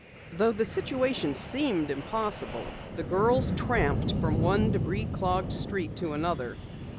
Though the situation seemed impossible, the girls tramped from one debris clogged street to another.